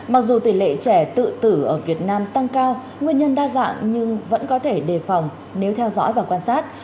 mặc dù tỷ lệ trẻ tự tử ở việt nam tăng cao nguyên nhân đa dạng nhưng vẫn có thể đề phòng nếu theo dõi và quan sát